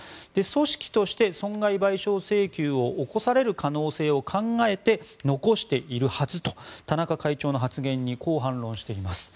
組織として損害賠償請求を起こされる可能性を考えて残しているはずと田中会長の発言にこう反論しています。